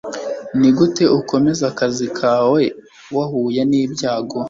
Nigute ukomeza akazi kawe wahuye n’ibyago?